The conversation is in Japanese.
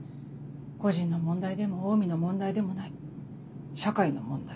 個人の問題でもオウミの問題でもない社会の問題。